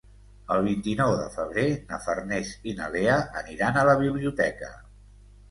El vint-i-nou de febrer na Farners i na Lea aniran a la biblioteca.